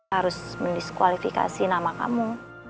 harus mendiskualifikasi nama kamu